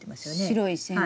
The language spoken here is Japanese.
白い線が。